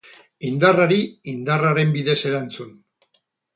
Indarrari indarraren bidez erantzun.